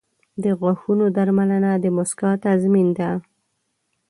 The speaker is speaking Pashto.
• د غاښونو درملنه د مسکا تضمین ده.